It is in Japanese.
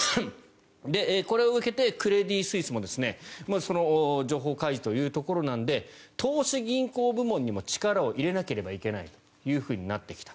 これを受けてクレディ・スイスもその情報開示というところなので投資銀行部門にも力を入れなければいけないとなってきた。